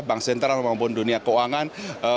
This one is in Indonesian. bank sentral maupun dunia keuangan